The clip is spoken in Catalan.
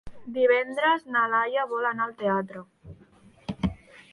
Divendres na Laia vol anar al teatre.